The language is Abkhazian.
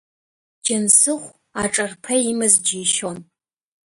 Џьансыхә аҿарԥа имаз џьишьон.